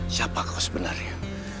siapa kau sebenarnya